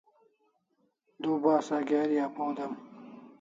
Du bas a geri apaw dem